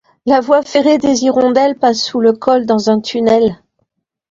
La voie ferrée des Hirondelles passe sous le col dans un tunnel.